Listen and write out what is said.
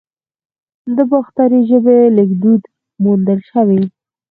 د باختري ژبې لیکدود موندل شوی